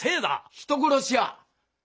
人殺しや！